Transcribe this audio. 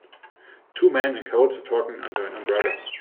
Two men in coats are talking under an umbrella.